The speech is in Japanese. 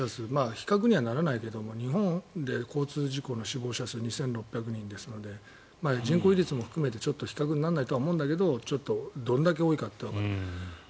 比較にはならないけど日本で交通事故の死亡者数２６００人ですので人口比率も含めて比較にはならないと思うんだけどちょっとどれだけ多いかってわかる。